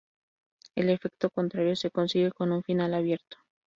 El efecto contrario se consigue con un final abierto.